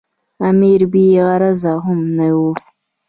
امیر بې غرضه هم نه وو.